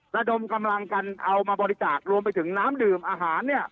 ระดมกำลังกันเอามาบริจาครวมไปถึงน้ำดื่มอาหารเนี่ย